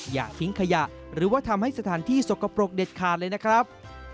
อย่าทิ้งขยะหรือว่าทำให้สถานที่สกปรกเด็ดขาดเลยนะครับ